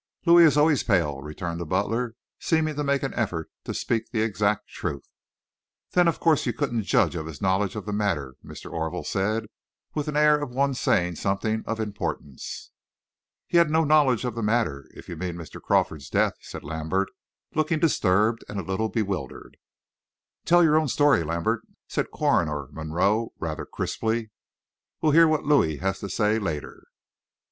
"Louis is always pale," returned the butler, seeming to make an effort to speak the exact truth. "Then of course you couldn't judge of his knowledge of the matter," Mr. Orville said, with an air of one saying something of importance. "He had no knowledge of the matter, if you mean Mr. Crawford's death," said Lambert, looking disturbed and a little bewildered. "Tell your own story, Lambert," said Coroner Monroe, rather crisply. "We'll hear what Louis has to say later."